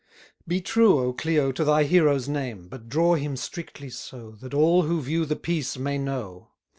Be true, O Clio, to thy hero's name! But draw him strictly so, That all who view the piece may know.